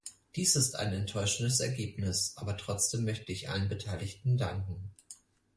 Dies ist ein enttäuschendes Ergebnis, aber trotzdem möchte ich allen Beteiligten danken.